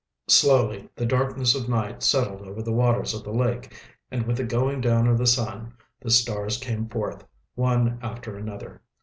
Slowly the darkness of night settled over the waters of the lake, and with the going down of the sun the stars came forth, one after another.